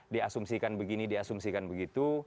diasumsikan begini diasumsikan begitu